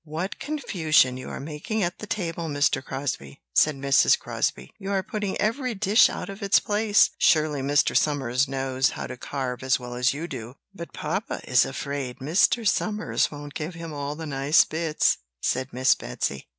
"What confusion you are making at the table, Mr. Crosbie!" said Mrs. Crosbie. "You are putting every dish out of its place! Surely Mr. Somers knows how to carve as well as you do." "But papa is afraid Mr. Somers won't give him all the nice bits," said Miss Betsy.